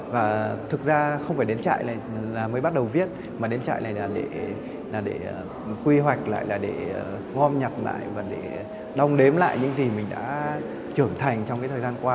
và thực ra không phải đến trại này mới bắt đầu viết mà đến trại này là để quy hoạch lại để gom nhập lại để đồng đếm lại những gì mình đã trưởng thành trong thời gian qua